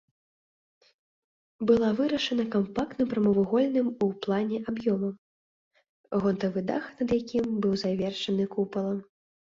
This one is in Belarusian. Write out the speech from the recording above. Была вырашана кампактным прамавугольным у плане аб'ёмам, гонтавы дах над якім быў завершаны купалам.